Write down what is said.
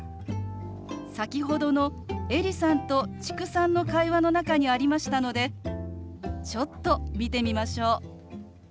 先ほどのエリさんと知久さんの会話の中にありましたのでちょっと見てみましょう。